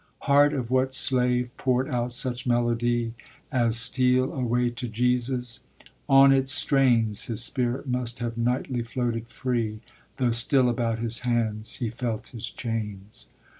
Heart of what slave poured out such melody As "Steal away to Jesus"? On its strains His spirit must have nightly floated free, Though still about his hands he felt his chains.